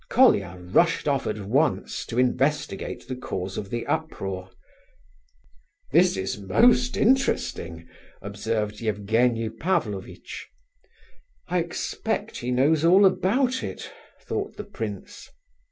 Colia rushed off at once to investigate the cause of the uproar. "This is most interesting!" observed Evgenie Pavlovitch. "I expect he knows all about it!" thought the prince.